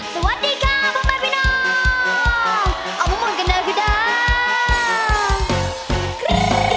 สวัสดีค่ะคุณแม่พี่น้องออกมามวนกันเลยพี่ด้า